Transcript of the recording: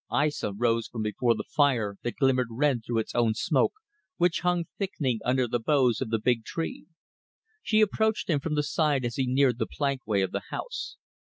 Aissa rose from before the fire, that glimmered red through its own smoke, which hung thickening under the boughs of the big tree. She approached him from the side as he neared the plankway of the house.